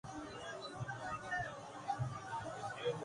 جمالی کا انتخاب چودھریوں کی سیاسی غلطی تھی۔